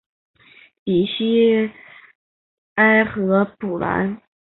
比西埃和普兰。